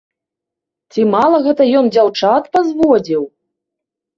Ці мала гэта ён дзяўчат пазводзіў?!